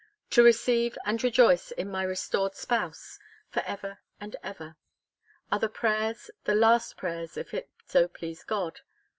to receive and rejoice in my restored spouse, for ever and ever: are the prayers, the last prayers, if it so please God!